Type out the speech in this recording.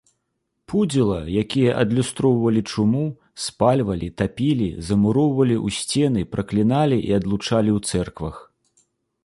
Пудзіла, якія адлюстроўвалі чуму, спальвалі, тапілі, замуроўвалі ў сцены, пракліналі і адлучалі ў цэрквах.